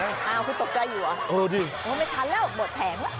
อ้าวคุณตกใจอยู่เหรอโอ๊ยไม่ทันแล้วโบ๊ะแผงละ